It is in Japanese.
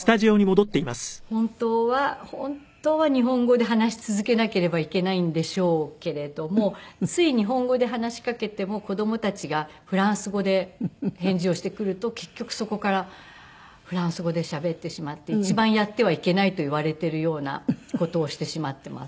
本当は本当は日本語で話し続けなければいけないんでしょうけれどもつい日本語で話しかけても子供たちがフランス語で返事をしてくると結局そこからフランス語でしゃべってしまって一番やってはいけないといわれているような事をしてしまっています。